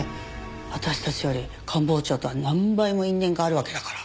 私たちより官房長とは何倍も因縁があるわけだから。